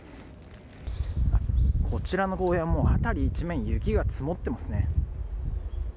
こちらの公園はもう辺り一面雪が積もってますね。